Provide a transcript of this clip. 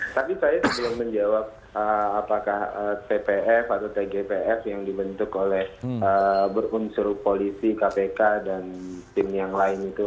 tapi saya belum menjawab apakah tpf atau tgpf yang dibentuk oleh berunsur polisi kpk dan tim yang lain itu